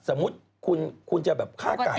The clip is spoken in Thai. สมมุติคุณจะแบบฆ่าไก่